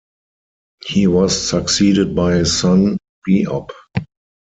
He was succeeded by his son Beop.